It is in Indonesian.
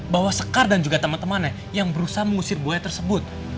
bahwa sekar dan juga teman temannya yang berusaha mengusir buaya tersebut